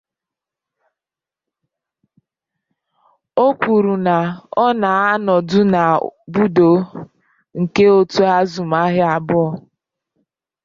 Ọ kọrọ na "ọ na-anọdụ na bọọdụ nke òtù azụmahịa abụọ".